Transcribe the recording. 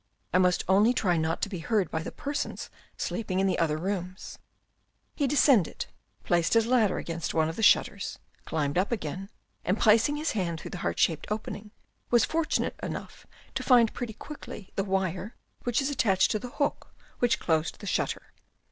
I must only try not to be heard by the persons sleeping in the other rooms." He descended, placed his ladder against one of the shutters, climbed up again, and placing his hand through the heart shaped opening, was fortunate enough to find pretty quickly the wire which is attached to the hook which closed the shutter.